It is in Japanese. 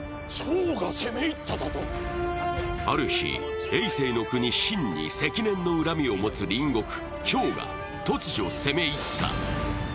ある日、えい政の国・秦に積年の恨みを持つ隣国・趙が突如攻め入った。